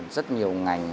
rất nhiều ngành